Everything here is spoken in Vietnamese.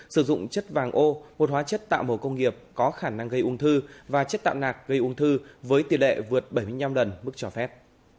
sử dụng chất vàng ô một hóa chất tạo màu công nghiệp có khả năng gây ung thư và chất tạm nạc gây ung thư với tỷ lệ vượt bảy mươi năm lần mức cho phép